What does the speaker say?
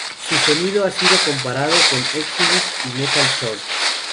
Su sonido ha sido comparado con Exodus y Metal Church.